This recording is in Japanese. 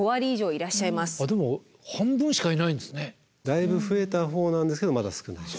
だいぶ増えたほうなんですけどまだ少ない。